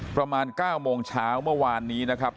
ประมาณ๙โมงเช้าเมื่อวานนี้นะครับ